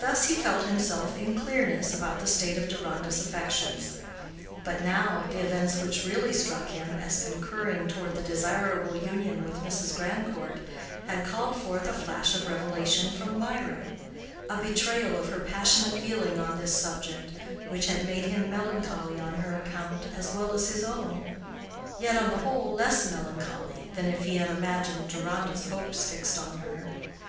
Thus he felt himself in clearness about the state of Deronda's affections; but now, the events which really struck him as concurring toward the desirable union with Mrs. Grandcourt, had called forth a flash of revelation from Mirah—a betrayal of her passionate feeling on this subject which had made him melancholy on her account as well as his own—yet on the whole less melancholy than if he had imagined Deronda's hopes fixed on her.